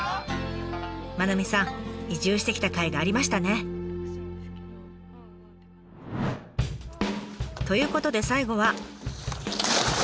真七水さん移住してきたかいがありましたね。ということで最後は。